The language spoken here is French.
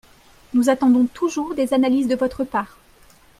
Nous attendons toujours des analyses de votre part